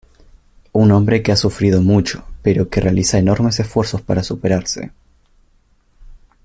Un hombre que ha sufrido mucho pero que realiza enormes esfuerzos para superarse.